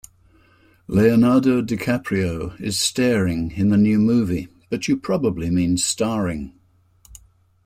Leonardo DiCaprio is staring in the new movie.